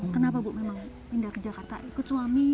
kenapa bu memang pindah ke jakarta ikut suami